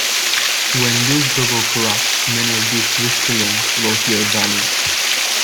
When this bubble collapsed, many of these risky loans lost their value.